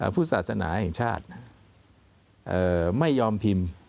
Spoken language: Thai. พุทธศาสนาแห่งชาติไม่ยอมพิมพ์